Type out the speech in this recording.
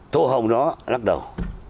tô hồng đó đắt đầu